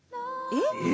えっ！